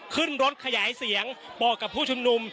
ขึ้นรถขยายเสียงบอกกับผู้ชุมนุม